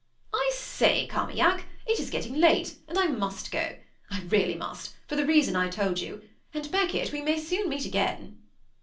"I say, Carmaignac, it is getting late, and I must go; I really must, for the reason I told you and, Beckett, we must soon meet again."